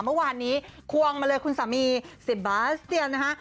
เมื่อวานนี้ควงมาเลยคุณสามี๑๐บาสเตียนนะคะ